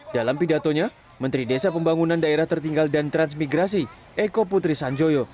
dalam pidatonya menteri desa pembangunan daerah tertinggal dan transmigrasi eko putri sanjoyo